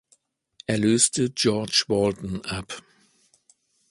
Er löste George Walton ab.